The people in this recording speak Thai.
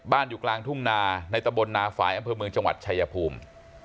อยู่กลางทุ่งนาในตะบลนาฝ่ายอำเภอเมืองจังหวัดชายภูมิ